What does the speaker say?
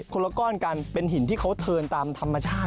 คนละก้อนกันเป็นหินที่เขาเทินตามธรรมชาติ